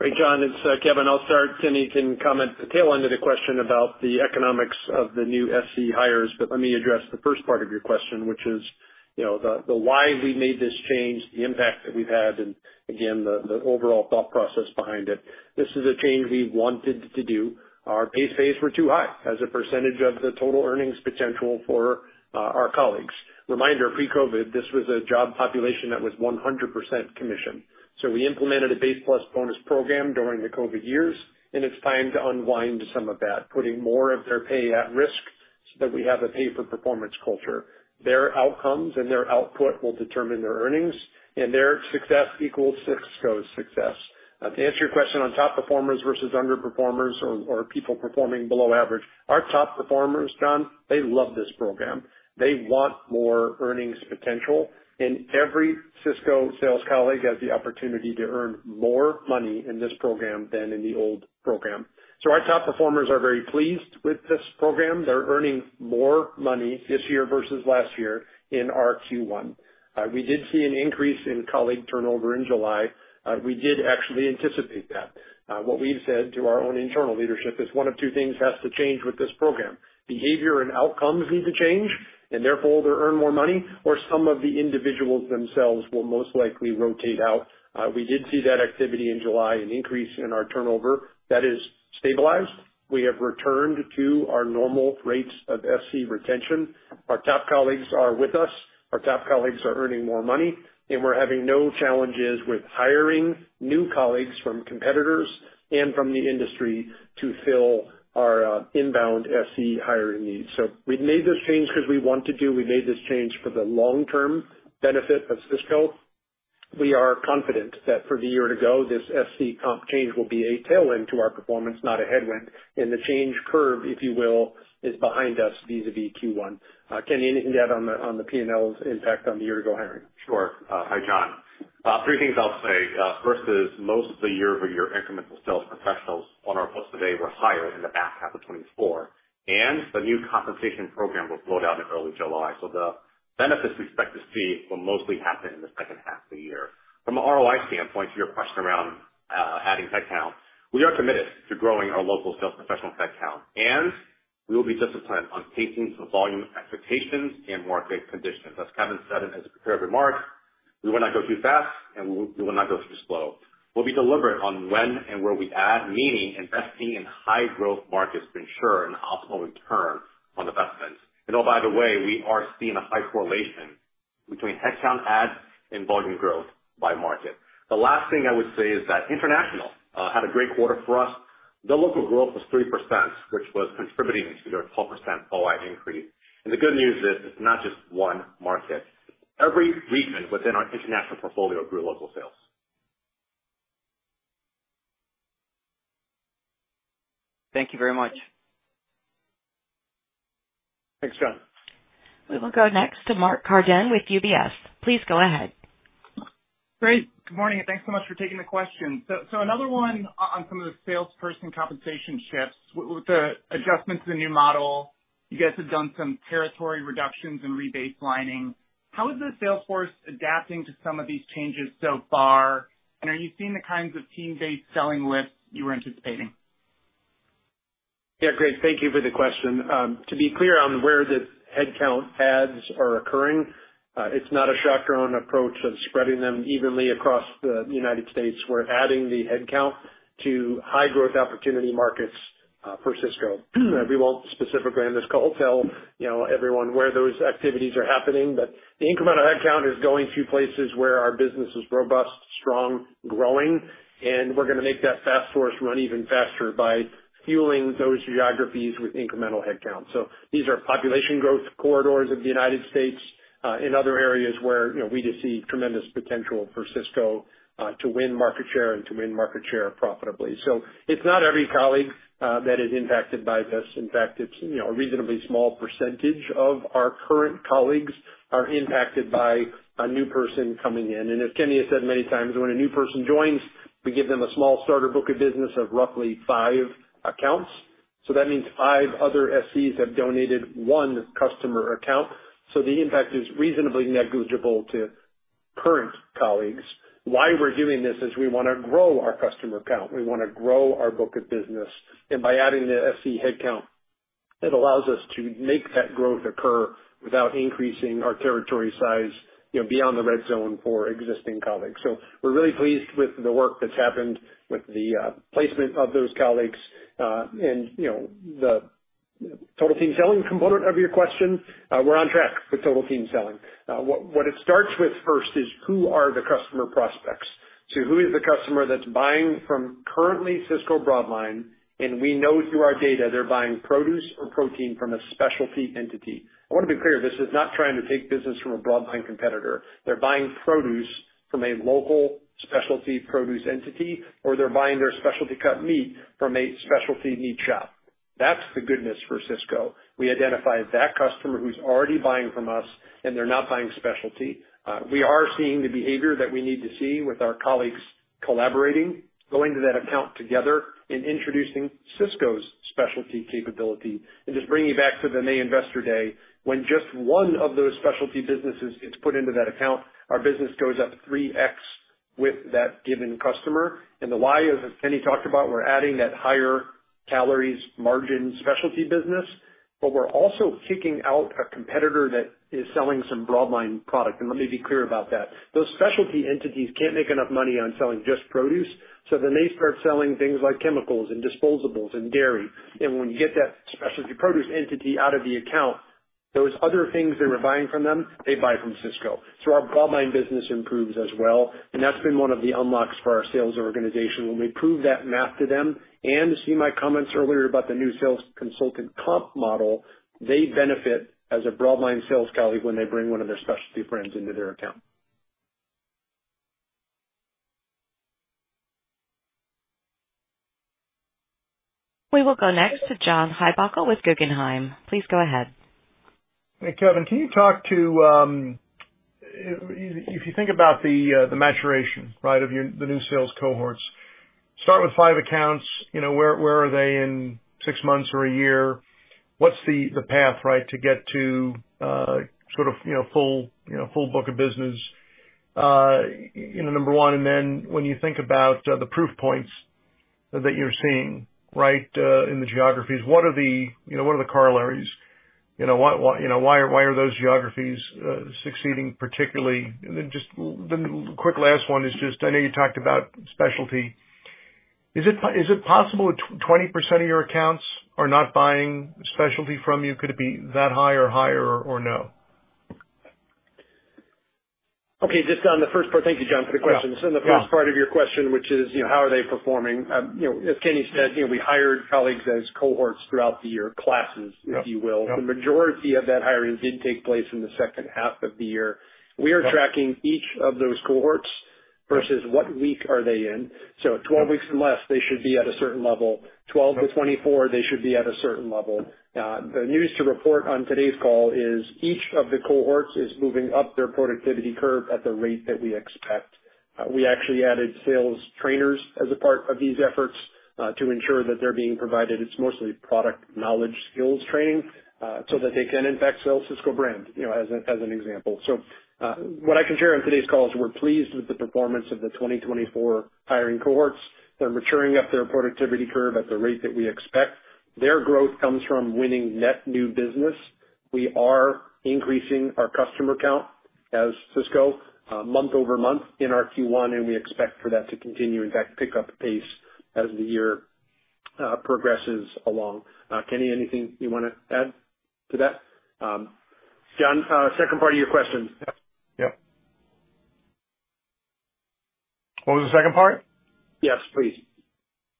Great, John. It's Kevin. I'll start. Kenny, you can comment the tail end of the question about the economics of the new SC hires, but let me address the first part of your question, which is the why we made this change, the impact that we've had, and again, the overall thought process behind it. This is a change we wanted to do. Our base pays were too high as a percentage of the total earnings potential for our colleagues. Reminder, pre-COVID, this was a job population that was 100% commission. So we implemented a base plus bonus program during the COVID years, and it's time to unwind some of that, putting more of their pay at risk so that we have a pay-for-performance culture. Their outcomes and their output will determine their earnings, and their success equals Sysco's success. To answer your question on top performers versus underperformers or people performing below average, our top performers, John, they love this program. They want more earnings potential, and every Sysco sales colleague has the opportunity to earn more money in this program than in the old program. So our top performers are very pleased with this program. They're earning more money this year versus last year in our Q1. We did see an increase in colleague turnover in July. We did actually anticipate that. What we've said to our own internal leadership is one of two things has to change with this program. Behavior and outcomes need to change, and therefore they'll earn more money, or some of the individuals themselves will most likely rotate out. We did see that activity in July, an increase in our turnover that is stabilized. We have returned to our normal rates of SC retention. Our top colleagues are with us. Our top colleagues are earning more money, and we're having no challenges with hiring new colleagues from competitors and from the industry to fill our inbound SC hiring needs. So we've made this change because we want to do. We made this change for the long-term benefit of Sysco. We are confident that for the year to go, this SC comp change will be a tailwind to our performance, not a headwind, and the change curve, if you will, is behind us vis-à-vis Q1. Kenny, anything to add on the P&L's impact on the year-to-go hiring? Sure. Hi, John. Three things I'll say. First is most of the year-over-year increments of sales professionals on our as of today were higher in the back half of 2024, and the new compensation program will roll out in early July. So the benefits we expect to see will mostly happen in the second half of the year. From an ROI standpoint, to your question around adding headcount, we are committed to growing our local sales professional headcount, and we will be disciplined on facing the volume expectations and market conditions. As Kevin said in his prepared remarks, we will not go too fast, and we will not go too slow. We'll be deliberate on when and where we add, meaning investing in high-growth markets to ensure an optimal return on investments. And oh, by the way, we are seeing a high correlation between headcount adds and volume growth by market. The last thing I would say is that International had a great quarter for us. The local growth was 3%, which was contributing to their 12% ROI increase. And the good news is it's not just one market. Every region within our International portfolio grew local sales. Thank you very much. Thanks, John. We will go next to Mark Carden with UBS. Please go ahead. Great. Good morning, and thanks so much for taking the question. So another one on some of the salesperson compensation shifts. With the adjustment to the new model, you guys have done some territory reductions and rebaselining. How is the sales force adapting to some of these changes so far, and are you seeing the kinds of team-based selling lifts you were anticipating? Yeah, great. Thank you for the question. To be clear on where the headcount adds are occurring, it's not a shotgun approach of spreading them evenly across the United States. We're adding the headcount to high-growth opportunity markets for Sysco. We won't specifically in this call tell everyone where those activities are happening, but the incremental headcount is going to places where our business is robust, strong, growing, and we're going to make that fast forward run even faster by fueling those geographies with incremental headcount. These are population growth corridors of the United States and other areas where we just see tremendous potential for Sysco to win market share and to win market share profitably. It's not every colleague that is impacted by this. In fact, it's a reasonably small percentage of our current colleagues that are impacted by a new person coming in. As Kenny has said many times, when a new person joins, we give them a small starter book of business of roughly five accounts. That means five other SCs have donated one customer account. The impact is reasonably negligible to current colleagues. We're doing this because we want to grow our customer count. We want to grow our book of business. By adding the SC headcount, it allows us to make that growth occur without increasing our territory size beyond the red zone for existing colleagues. We're really pleased with the work that's happened with the placement of those colleagues. The Total Team Selling component of your question, we're on track with Total Team Selling. What it starts with first is who are the customer prospects? Who is the customer that's buying from currently Sysco broadline? We know through our data they're buying produce or protein from a specialty entity. I want to be clear, this is not trying to take business from a broadline competitor. They're buying produce from a local specialty produce entity, or they're buying their specialty cut meat from a specialty meat shop. That's the goodness for Sysco. We identify that customer who's already buying from us, and they're not buying specialty. We are seeing the behavior that we need to see with our colleagues collaborating, going to that account together, and introducing Sysco's specialty capability. And just bringing you back to the May Investor Day, when just one of those specialty businesses gets put into that account, our business goes up 3x with that given customer. And the why is, as Kenny talked about, we're adding that higher-margin specialty business, but we're also kicking out a competitor that is selling some broadline product. And let me be clear about that. Those specialty entities can't make enough money on selling just produce. So then they start selling things like chemicals and disposables and dairy. And when you get that specialty produce entity out of the account, those other things they were buying from them, they buy from Sysco. So our broadline business improves as well. And that's been one of the unlocks for our sales organization. When we prove that math to them and see my comments earlier about the new sales consultant comp model, they benefit as a broadline sales colleague when they bring one of their specialty friends into their account. We will go next to John Heinbockel with Guggenheim. Please go ahead. Hey, Kevin, can you talk to if you think about the maturation, right, of the new sales cohorts, start with five accounts, where are they in six months or a year? What's the path, right, to get to sort of full book of business? Number one, and then when you think about the proof points that you're seeing, right, in the geographies, what are the corollaries? Why are those geographies succeeding particularly? And then just the quick last one is just I know you talked about specialty. Is it possible 20% of your accounts are not buying specialty from you? Could it be that high or higher or no? Okay. Just on the first part, thank you, John, for the question. So in the first part of your question, which is how are they performing? As Kenny said, we hired colleagues as cohorts throughout the year, classes, if you will. The majority of that hiring did take place in the second half of the year. We are tracking each of those cohorts versus what week are they in. So 12 weeks and less, they should be at a certain level. 12 to 24, they should be at a certain level. The news to report on today's call is each of the cohorts is moving up their productivity curve at the rate that we expect. We actually added sales trainers as a part of these efforts to ensure that they're being provided. It's mostly product knowledge skills training so that they can impact Sysco Brand as an example. So what I can share on today's call is we're pleased with the performance of the 2024 hiring cohorts. They're maturing up their productivity curve at the rate that we expect. Their growth comes from winning net new business. We are increasing our customer count at Sysco month over month in our Q1, and we expect for that to continue and that pickup pace as the year progresses along. Kenny, anything you want to add to that? John, second part of your question. Yep. What was the second part? Yes, please.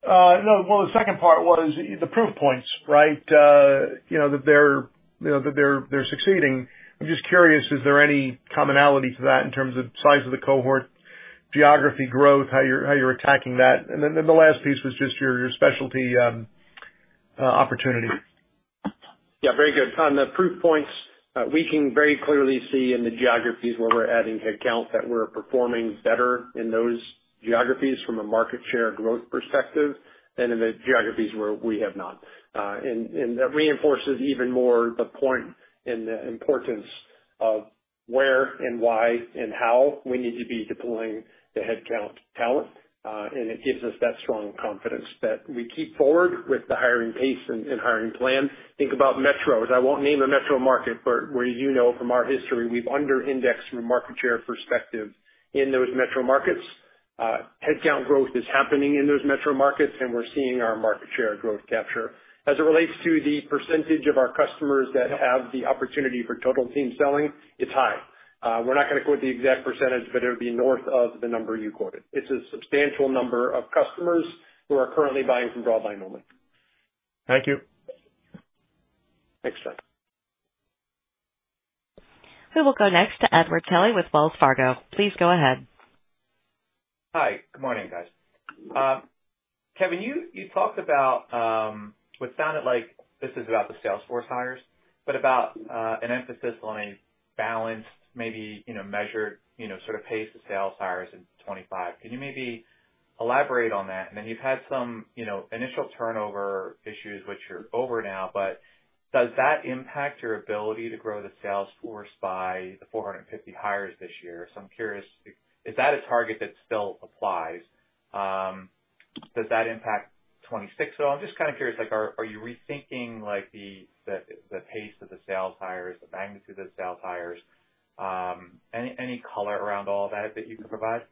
No. Well, the second part was the proof points, right, that they're succeeding. I'm just curious, is there any commonality to that in terms of size of the cohort, geography growth, how you're attacking that? And then the last piece was just your specialty opportunity. Yeah, very good. On the proof points, we can very clearly see in the geographies where we're adding headcount that we're performing better in those geographies from a market share growth perspective than in the geographies where we have not. And that reinforces even more the point and the importance of where and why and how we need to be deploying the headcount talent. And it gives us that strong confidence that we keep forward with the hiring pace and hiring plan. Think about metros. I won't name a metro market, but where you know from our history, we've under-indexed from a market share perspective in those metro markets. Headcount growth is happening in those metro markets, and we're seeing our market share growth capture. As it relates to the percentage of our customers that have the opportunity for Total Team Selling, it's high. We're not going to quote the exact percentage, but it would be north of the number you quoted. It's a substantial number of customers who are currently buying from broadline only. Thank you. Excellent. We will go next to Edward Kelly with Wells Fargo. Please go ahead. Hi. Good morning, guys. Kevin, you talked about what sounded like this is about the sales force hires, but about an emphasis on a balanced, maybe measured sort of pace of sales hires in 2025. Can you maybe elaborate on that? And then you've had some initial turnover issues, which you're over now, but does that impact your ability to grow the sales force by the 450 hires this year? So I'm curious, is that a target that still applies? Does that impact 2026 at all? I'm just kind of curious, are you rethinking the pace of the sales hires, the magnitude of the sales hires? Any color around all that that you can provide?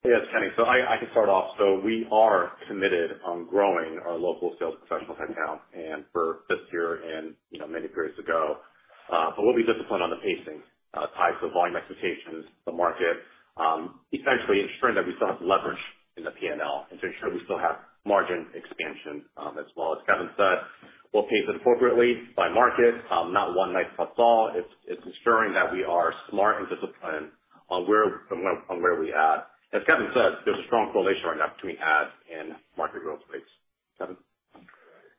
Yeah, it's Kenny. So I can start off. So we are committed on growing our local sales professional headcount and for this year and many periods ago. But we'll be disciplined on the pacing, tied to volume expectations, the market, essentially ensuring that we still have leverage in the P&L and to ensure we still have margin expansion as well. As Kevin said, we'll pace it appropriately by market, not one size fits all. It's ensuring that we are smart and disciplined on where we add. As Kevin said, there's a strong correlation right now between adds and market growth rates. Kevin?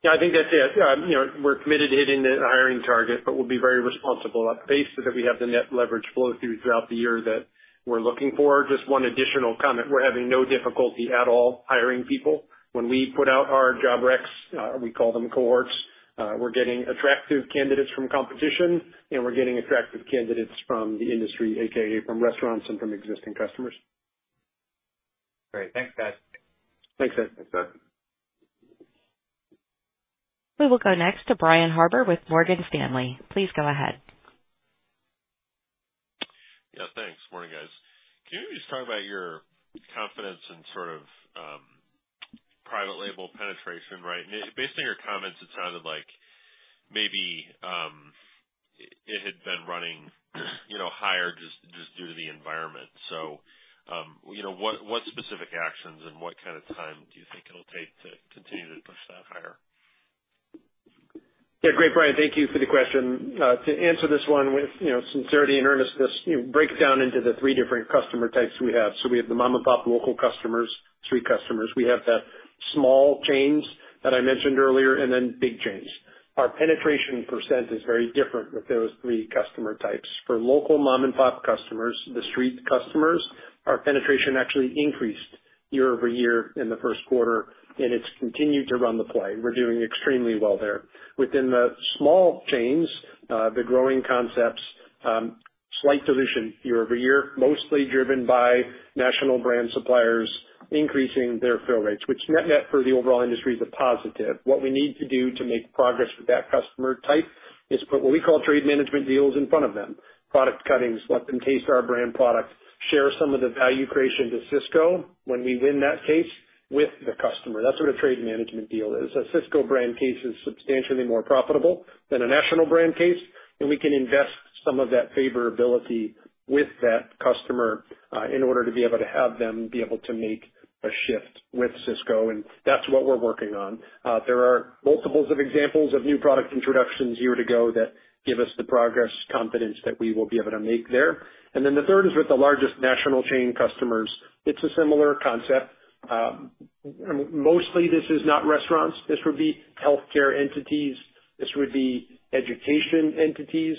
Yeah, I think that's it. Yeah, we're committed to hitting the hiring target, but we'll be very responsible about the pace so that we have the net leverage flow through throughout the year that we're looking for. Just one additional comment. We're having no difficulty at all hiring people. When we put out our job recs, we call them cohorts, we're getting attractive candidates from competition, and we're getting attractive candidates from the industry, a.k.a. from restaurants and from existing customers. Great. Thanks, guys. Thanks, Ed. Thanks, Ed. We will go next to Brian Harbour with Morgan Stanley. Please go ahead. Yeah, thanks. Morning, guys. Can you just talk about your confidence in sort of private label penetration, right, and based on your comments, it sounded like maybe it had been running higher just due to the environment. So what specific actions and what kind of time do you think it'll take to continue to push that higher? Yeah, great, Brian. Thank you for the question. To answer this one with sincerity and earnestness, break it down into the three different customer types we have. We have the mom-and-pop local customers, street customers. We have the small chains that I mentioned earlier, and then big chains. Our penetration percent is very different with those three customer types. For local mom-and-pop customers, the street customers, our penetration actually increased year over year in the first quarter, and it's continued to run the play. We're doing extremely well there. Within the small chains, the growing concepts, slight dilution year over year, mostly driven by national brand suppliers increasing their fill rates, which net for the overall industry is a positive. What we need to do to make progress with that customer type is put what we call trade management deals in front of them. Product cuttings, let them taste our brand product, share some of the value creation to Sysco when we win that case with the customer. That's what a trade management deal is. A Sysco Brand case is substantially more profitable than a national brand case, and we can invest some of that favorability with that customer in order to be able to have them be able to make a shift with Sysco. And that's what we're working on. There are multiples of examples of new product introductions year to go that give us the progress confidence that we will be able to make there. And then the third is with the largest national chain customers. It's a similar concept. Mostly, this is not restaurants. This would be healthcare entities. This would be education entities.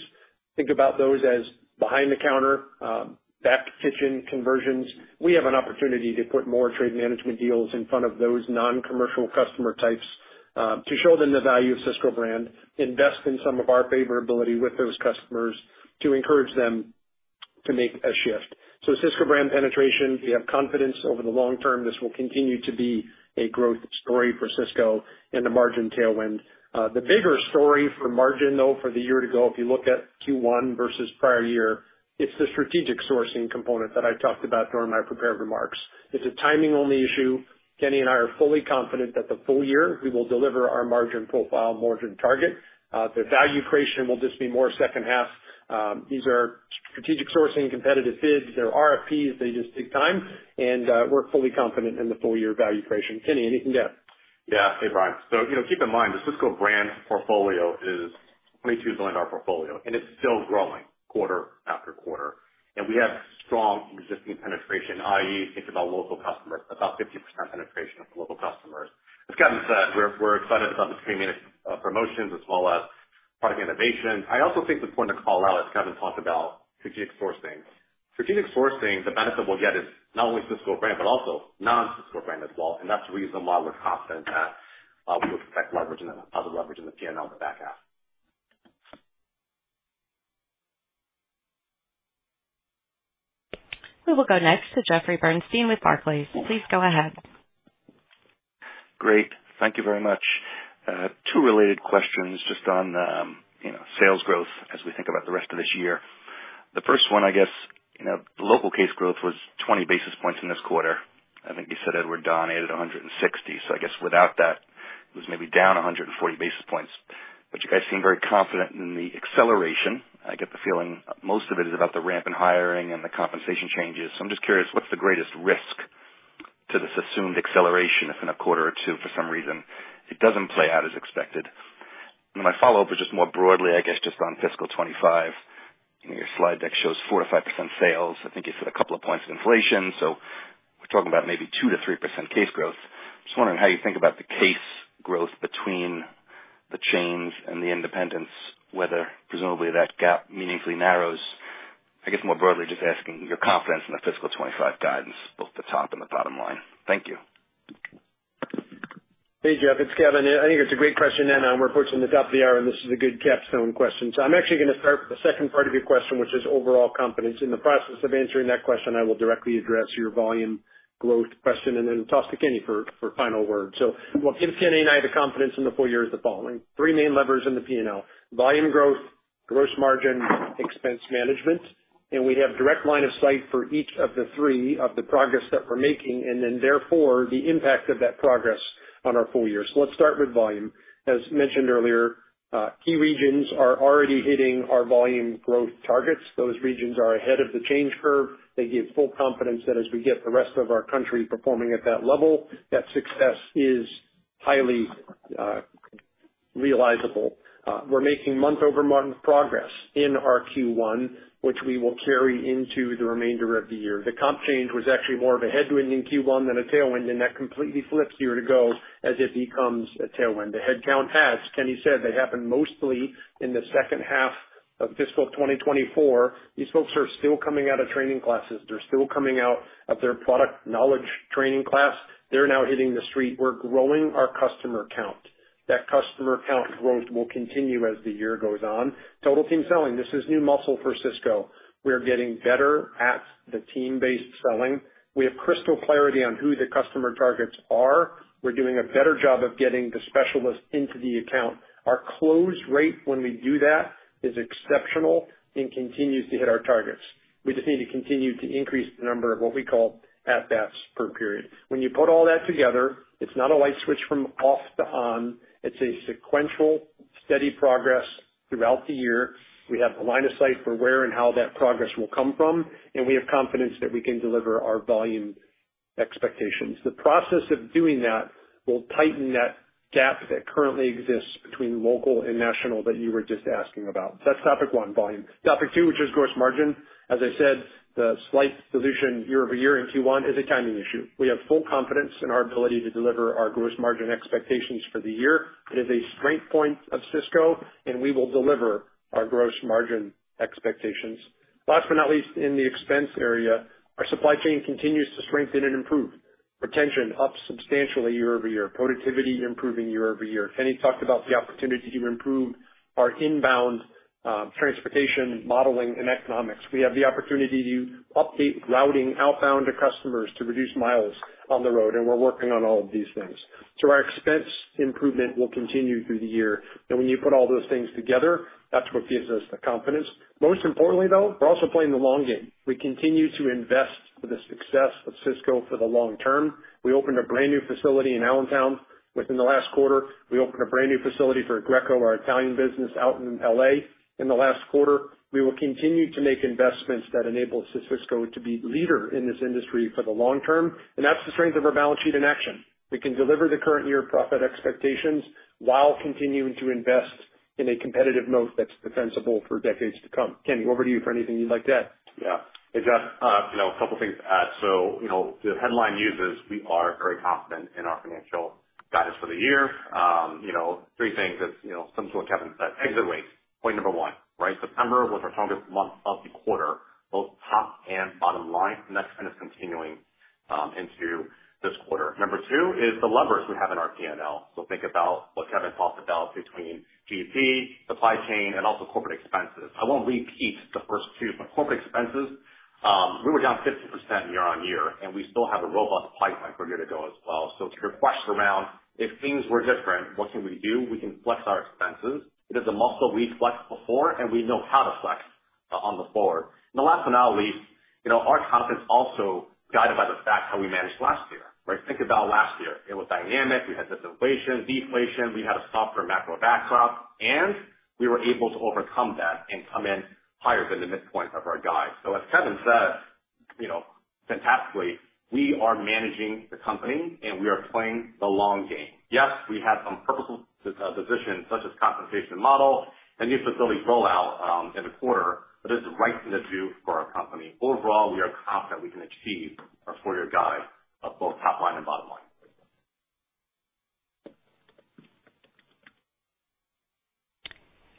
Think about those as behind the counter, back kitchen conversions. We have an opportunity to put more trade management deals in front of those non-commercial customer types to show them the value of Sysco Brand, invest in some of our favorability with those customers to encourage them to make a shift, so Sysco Brand penetration, we have confidence over the long term. This will continue to be a growth story for Sysco and the margin tailwind. The bigger story for margin, though, for the year to go, if you look at Q1 versus prior year, it's the strategic sourcing component that I talked about during my prepared remarks. It's a timing-only issue. Kenny and I are fully confident that the full year we will deliver our margin profile, margin target. The value creation will just be more second half. These are strategic sourcing, competitive bids. They're RFPs. They just take time, and we're fully confident in the full year value creation. Kenny, anything to add? Yeah. Hey, Brian, so keep in mind, the Sysco Brand portfolio is a $22 billion portfolio, and it's still growing quarter after quarter, and we have strong existing penetration, i.e., think about local customers, about 50% penetration of local customers. As Kevin said, we're excited about the premium promotions as well as product innovation. I also think the point to call out as Kevin talked about strategic sourcing. Strategic sourcing, the benefit we'll get is not only Sysco Brand, but also non-Sysco Brand as well, and that's the reason why we're confident that we will expect leverage and other leverage in the P&L and the back half. We will go next to Jeffrey Bernstein with Barclays. Please go ahead. Great. Thank you very much. Two related questions just on sales growth as we think about the rest of this year. The first one, I guess, local case growth was 20 basis points in this quarter. I think you said Edward Don added 160. So I guess without that, it was maybe down 140 basis points. But you guys seem very confident in the acceleration. I get the feeling most of it is about the ramp in hiring and the compensation changes. So I'm just curious, what's the greatest risk to this assumed acceleration if in a quarter or two, for some reason, it doesn't play out as expected? And my follow-up was just more broadly, I guess, just on fiscal 2025. Your slide deck shows 4%-5% sales. I think you said a couple of points of inflation. So we're talking about maybe 2%-3% case growth. Just wondering how you think about the case growth between the chains and the independents, whether presumably that gap meaningfully narrows? I guess more broadly, just asking your confidence in the fiscal 2025 guidance, both the top and the bottom line. Thank you. Hey, Jeff. It's Kevin. I think it's a great question, and we're approaching the top of the hour, and this is a good capstone question, so I'm actually going to start with the second part of your question, which is overall confidence. In the process of answering that question, I will directly address your volume growth question and then toss to Kenny for final word, so what gives Kenny and I the confidence in the full year is the following: three main levers in the P&L, volume growth, gross margin, expense management. We have direct line of sight for each of the three of the progress that we're making, and then therefore the impact of that progress on our full year. Let's start with volume. As mentioned earlier, key regions are already hitting our volume growth targets. Those regions are ahead of the change curve. They give full confidence that as we get the rest of our country performing at that level, that success is highly realizable. We're making month-over-month progress in our Q1, which we will carry into the remainder of the year. The comp change was actually more of a headwind in Q1 than a tailwind, and that completely flips year to go as it becomes a tailwind. The headcount adds, Kenny said, they happen mostly in the second half of fiscal 2024. These folks are still coming out of training classes. They're still coming out of their product knowledge training class. They're now hitting the street. We're growing our customer count. That customer count growth will continue as the year goes on. Total Team Selling, this is new muscle for Sysco. We're getting better at the team-based selling. We have crystal clarity on who the customer targets are. We're doing a better job of getting the specialists into the account. Our close rate when we do that is exceptional and continues to hit our targets. We just need to continue to increase the number of what we call at-bats per period. When you put all that together, it's not a light switch from off to on. It's a sequential, steady progress throughout the year. We have a line of sight for where and how that progress will come from, and we have confidence that we can deliver our volume expectations. The process of doing that will tighten that gap that currently exists between local and national that you were just asking about. That's topic one, volume. Topic two, which is gross margin. As I said, the slight dilution year over year in Q1 is a timing issue. We have full confidence in our ability to deliver our gross margin expectations for the year. It is a strength point of Sysco, and we will deliver our gross margin expectations. Last but not least, in the expense area, our supply chain continues to strengthen and improve. Retention up substantially year over year. Productivity improving year over year. Kenny talked about the opportunity to improve our inbound transportation, modeling, and economics. We have the opportunity to update routing outbound to customers to reduce miles on the road, and we're working on all of these things. So our expense improvement will continue through the year. And when you put all those things together, that's what gives us the confidence. Most importantly, though, we're also playing the long game. We continue to invest for the success of Sysco for the long term. We opened a brand new facility in Allentown. Within the last quarter, we opened a brand new facility for Greco, our Italian business out in LA. In the last quarter, we will continue to make investments that enable Sysco to be a leader in this industry for the long term. And that's the strength of our balance sheet in action. We can deliver the current year profit expectations while continuing to invest in a competitive moat that's defensible for decades to come. Kenny, over to you for anything you'd like to add. Yeah. Hey, Jeff. A couple of things to add. The headline news is we are very confident in our financial guidance for the year. Three things that stems from what Kevin said. Exit rates. Point number one, right? September was our strongest month of the quarter, both top and bottom line. And that's kind of continuing into this quarter. Number two is the levers we have in our P&L. So think about what Kevin talked about between GP, supply chain, and also corporate expenses. I won't repeat the first two, but corporate expenses, we were down 50% year on year, and we still have a robust pipeline for year to go as well. So to your question around if things were different, what can we do? We can flex our expenses. It is a muscle we flex before, and we know how to flex on the forward. And last but not least, our confidence also guided by the fact how we managed last year, right? Think about last year. It was dynamic. We had disinflation, deflation. We had a softer macro backdrop, and we were able to overcome that and come in higher than the midpoint of our guide. So as Kevin said fantastically, we are managing the company, and we are playing the long game. Yes, we have some purposeful decisions such as compensation model and new facility rollout in the quarter, but it's right in the chute for our company. Overall, we are confident we can achieve our four-year guide of both top line and bottom line.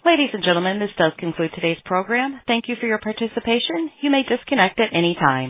Ladies and gentlemen, this does conclude today's program. Thank you for your participation. You may disconnect at any time.